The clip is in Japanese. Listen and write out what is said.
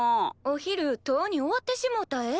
お昼とうに終わってしもうたえ。